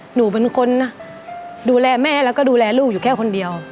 หนูเป็นคนดูแลแม่แล้วก็ดูแลลูกอยู่แค่คนเดียว